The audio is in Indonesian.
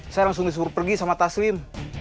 saya langsung disuruh pergi sama taslim